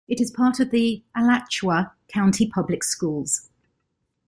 It is part of the Alachua County Public Schools.